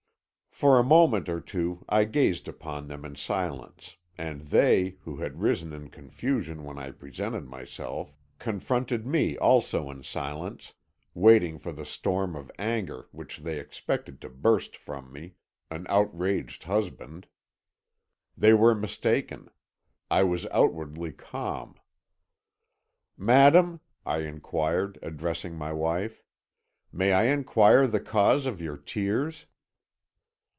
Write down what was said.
"For a moment or two I gazed upon them in silence, and they, who had risen in confusion when I presented myself, confronted me also in silence, waiting for the storm of anger which they expected to burst from me, an outraged husband. They were mistaken; I was outwardly calm. "'Madam,' I inquired, addressing my wife, 'may I inquire the cause of your tears?'